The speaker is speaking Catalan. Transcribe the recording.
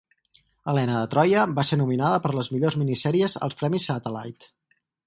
"Helena de Troia" va ser nominada per les millors minisèries als Premis Satellite.